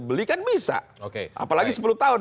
beli kan bisa apalagi sepuluh tahun